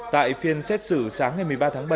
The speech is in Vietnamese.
tại phiên xét xử sáng ngày một mươi ba tháng bảy